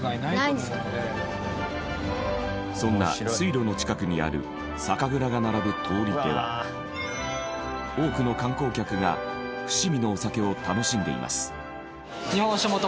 そんな水路の近くにある酒蔵が並ぶ通りでは多くの観光客が伏見のお酒を楽しんでいます。